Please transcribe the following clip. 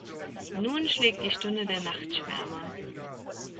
Nun schlägt die Stunde der Nachtschwärmer.